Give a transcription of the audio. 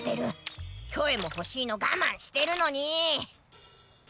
キョエもほしいのがまんしてるのにー！